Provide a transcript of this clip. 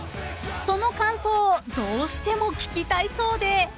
［その感想をどうしても聞きたいそうで］